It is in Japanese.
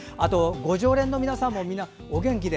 ご常連の皆さんもみんなお元気で。